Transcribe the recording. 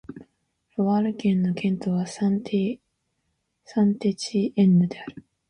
ロワール県の県都はサン＝テチエンヌである